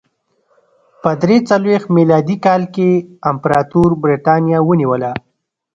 په درې څلوېښت میلادي کال کې امپراتور برېټانیا ونیوله